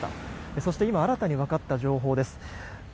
そして今新たにわかった情報です。